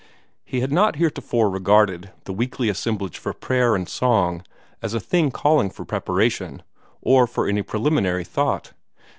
He had not heretofore regarded the weekly assemblage for prayer and song as a thing calling for preparation, or for any preliminary thought.